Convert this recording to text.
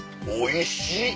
おいしい！